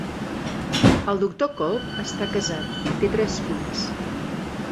El doctor Kolb està casat i té tres fills.